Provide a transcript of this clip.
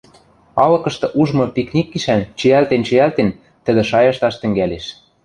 Алыкышты ужмы пикник гишӓн, чиӓлтен-чиӓлтен, тӹдӹ шайышташ тӹнгӓлеш.